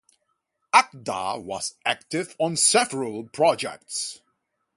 Acda was active on several projects.